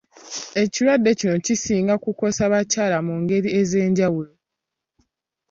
Ekirwadde kino kisinga kukosa bakyala mu ngeri ez'enjawulo.